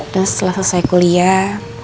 dan setelah selesai kuliah